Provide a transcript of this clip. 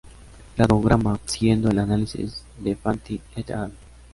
Cladograma siguiendo el análisis de Fanti "et al.